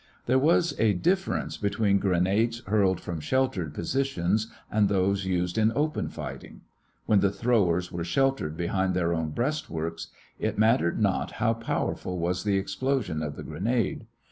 There was a difference between grenades hurled from sheltered positions and those used in open fighting. When the throwers were sheltered behind their own breastworks, it mattered not how powerful was the explosion of the grenade.